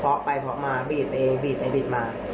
พอไปพอมาบีดไปบีดไปบีดมา